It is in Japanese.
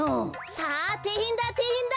さあてえへんだてえへんだ！